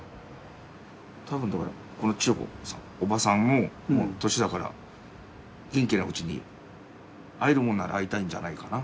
多分この千代子さん叔母さんももう年だから元気なうちに会えるもんなら会いたいんじゃないかな。